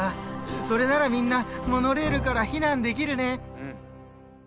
それならみんなモノレールから避難できるね。